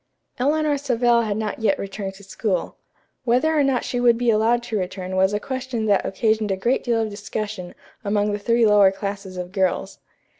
Eleanor Savell had not yet returned to school. Whether or not she would be allowed to return was a question that occasioned a great deal of discussion among three lower classes of girls.